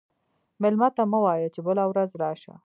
مېلمه ته مه وایه چې بله ورځ راشه.